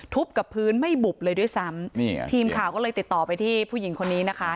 กับพื้นไม่บุบเลยด้วยซ้ำทีมข่าวก็เลยติดต่อไปที่ผู้หญิงคนนี้นะคะ